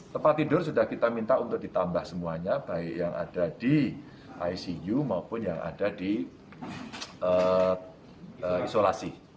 tempat tidur sudah kita minta untuk ditambah semuanya baik yang ada di icu maupun yang ada di isolasi